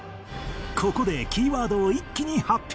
ここでキーワードを一気に発表！